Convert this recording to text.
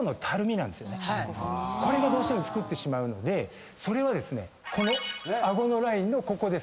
どうしてもつくってしまうのでそれはこの顎のラインのここです。